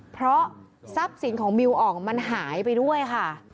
เพราะทรัพย์สินของมิวอ่องมันหายไปด้วยค่ะ